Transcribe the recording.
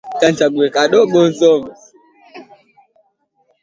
Rose ni mrefu sana.